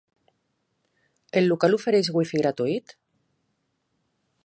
El local ofereix Wi-Fi gratuït?